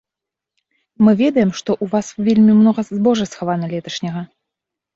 Мы ведаем, што ў вас вельмі многа збожжа схавана леташняга.